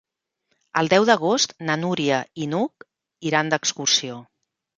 El deu d'agost na Núria i n'Hug iran d'excursió.